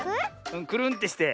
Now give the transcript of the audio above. くるんってして。